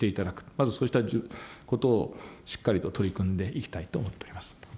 まずそうしたことをしっかりと取り組んでいきたいと思っておりま